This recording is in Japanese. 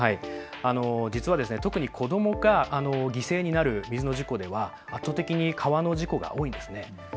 実は特に子どもが犠牲になる水の事故では圧倒的に川の事故が多いんです。